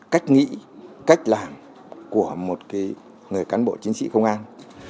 cách nghĩ cách làm của một người cán bộ chiến sĩ công an